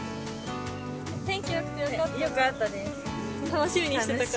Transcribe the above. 天気よくてよかったです。